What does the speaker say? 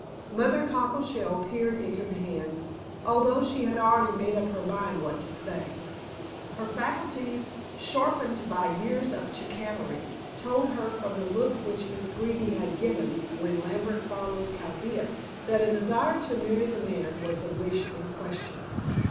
Mother Cockleshell peered into the hands, although she had already made up her mind what to say. Her faculties, sharpened by years of chicanery, told her from the look which Miss Greeby had given when Lambert followed Chaldea, that a desire to marry the man was the wish in question.